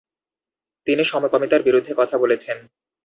তিনি সমকামিতার বিরুদ্ধে কথা বলেছেন।